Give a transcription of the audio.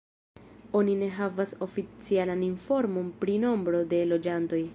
Oni ne havas oficialan informon pri nombro de loĝantoj.